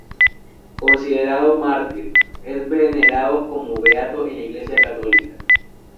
Considerado mártir, es venerado como beato en la Iglesia católica.